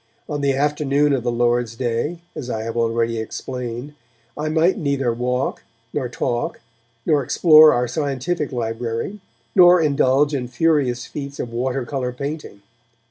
On the afternoon of the Lord's Day, as I have already explained, I might neither walk, nor talk, nor explore our scientific library, nor indulge in furious feats of water colour painting.